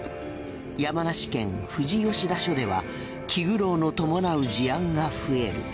山梨県富士吉田署では気苦労の伴う事案が増える。